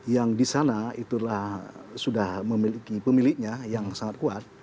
yang disana itulah sudah memiliki pemiliknya yang sangat kuat